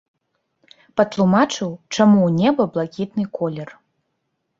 Патлумачыў чаму ў неба блакітны колер.